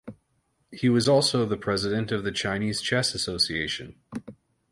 He was also the President of the Chinese Chess Association.